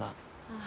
ああ。